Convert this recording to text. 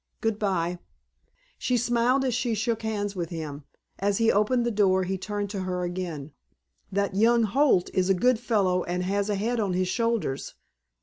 Good by." She smiled as she shook hands with him. As he opened the door he turned to her again. "That young Holt is a good fellow and has a head on his shoulders.